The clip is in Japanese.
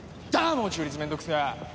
もう中立めんどくせえ！